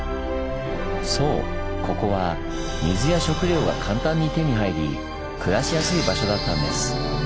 そうここは水や食料が簡単に手に入り暮らしやすい場所だったんです。